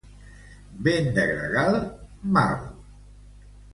Vent de gregal? Mal!